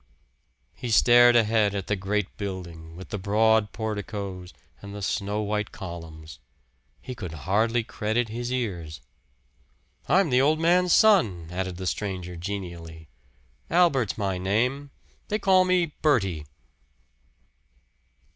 He stared ahead at the great building, with the broad porticos and the snow white columns. He could hardly credit his ears. "I'm the old man's son," added the stranger genially. "Albert's my name. They call me Bertie."